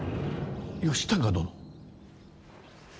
義高殿。